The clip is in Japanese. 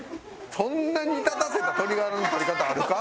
そんな煮立たせた鶏ガラの取り方あるか？